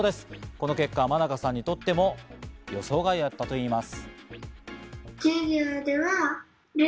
この結果は真佳さんにとっても予想外だったといいます。